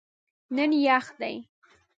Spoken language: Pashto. نن یخ دی